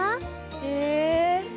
へえ！